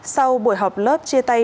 sau buổi họp lớp chia tay